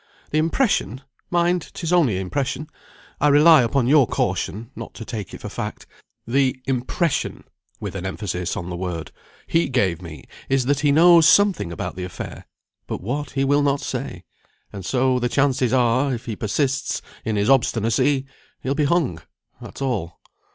The impression (mind, 'tis only impression; I rely upon your caution, not to take it for fact) the impression," with an emphasis on the word, "he gave me is, that he knows something about the affair, but what, he will not say; and so the chances are, if he persists in his obstinacy, he'll be hung. That's all."